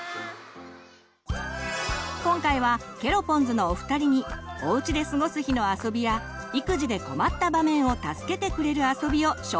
今回はケロポンズのお二人におうちで過ごす日のあそびや育児で困った場面を助けてくれるあそびを紹介してもらいます！